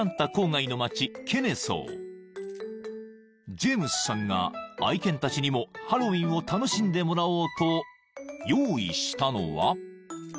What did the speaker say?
［ジェームスさんが愛犬たちにもハロウィーンを楽しんでもらおうと用意したのは］